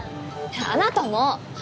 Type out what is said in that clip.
あなたも。